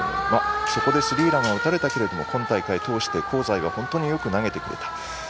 そこでスリーランは打たれたけれども香西は本当によく投げてくれた。